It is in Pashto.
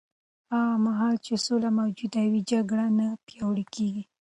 هغه مهال چې سوله موجوده وي، جګړه نه پیاوړې کېږي.